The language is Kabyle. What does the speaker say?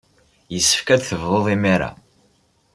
Yessefk ad tebduḍ imir-a.